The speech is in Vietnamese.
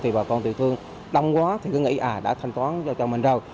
thì bà con tiểu thương đông quá thì cứ nghĩ à đã thanh toán cho mình rồi